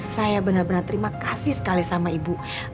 saya benar benar terima kasih sekali sama ibu